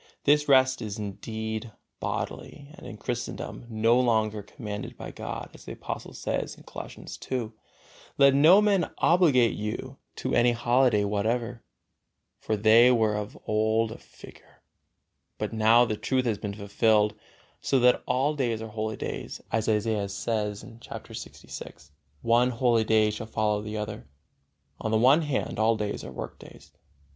This rest is indeed bodily and in Christendom no longer commanded by God, as the Apostle says, Colossians ii, "Let no man obligate you to any holiday whatever" for they were of old a figure, but now the truth has been fulfilled, so that all days are holy days, as Isaiah says, chapter lxvi, "One holy day shall follow the other"; on the other hand, all days are workdays.